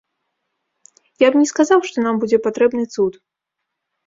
Я б не сказаў, што нам будзе патрэбны цуд.